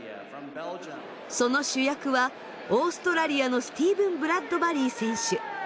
その主役はオーストラリアのスティーブン・ブラッドバリー選手。